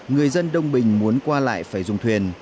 người dân đông bình muốn qua lại phải dùng thuyền